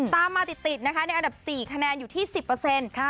ตามมาติดนะคะในอันดับสี่คะแนนอยู่ที่สิบเปอร์เซ็นต์